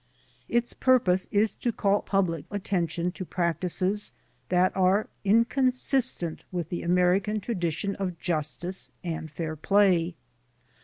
^ Its purpose is to call public attention to practices that are inconsistent with the American tradition of justice and fair play.